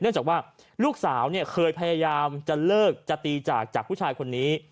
เนื่องจากว่าลูกสาวเคยพยายามจะเลิกจะตีจากจากผู้ชายคนนี้